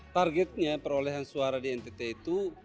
targetnya perolehan suara di ntt itu